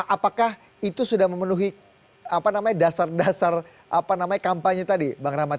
apakah itu sudah memenuhi dasar dasar apa namanya kampanye tadi bang rahmat